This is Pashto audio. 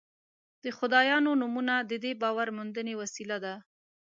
د خدایانو نومونه د دې باور موندنې وسیله ده.